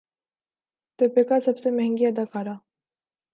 دپیکا سب سے مہنگی اداکارہ